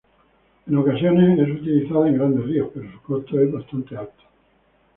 En ocasiones es utilizada en grandes ríos, pero su costo es bastante alto.